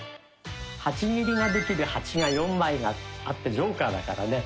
８切りができる「８」が４枚あってジョーカーだからね。